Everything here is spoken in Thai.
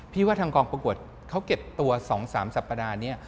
ว่าทางกองประกวดเขาเก็บตัว๒๓สัปดาห์นี้